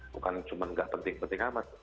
bukan cuma nggak penting penting amat